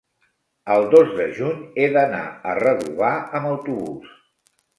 El dos de juny he d'anar a Redovà amb autobús.